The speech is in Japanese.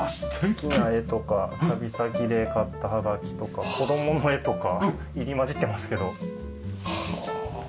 好きな絵とか旅先で買ったはがきとか子どもの絵とか入り交じってますけど。